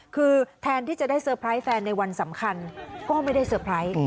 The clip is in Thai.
คือแทนที่จะได้เซอร์ไพรส์แฟนในวันสำคัญก็ไม่ได้เซอร์ไพรส์